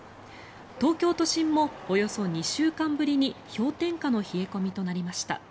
東京都心もおよそ２週間ぶりに氷点下の冷え込みとなりました。